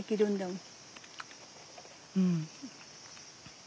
うん。